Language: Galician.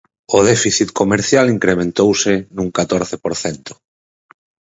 O déficit comercial incrementouse nun catorce por cento